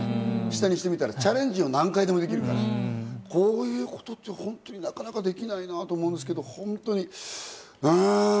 下にしてみれば、チャレンジを何回でもできるから、こういうことってなかなかできないなって思うんですけど。